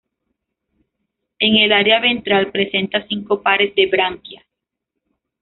En el área ventral presenta cinco pares de branquias.